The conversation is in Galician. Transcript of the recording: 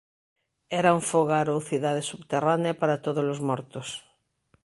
Era un fogar ou cidade subterránea para todos os mortos.